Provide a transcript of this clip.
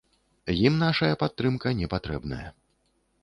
Ім нашая падтрымка не патрэбная.